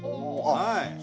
はい。